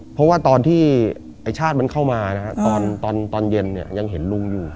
เพราะว่าตอนที่ไอ้ชาติมันเข้ามาตอนเย็นยังเห็นลุงอยู่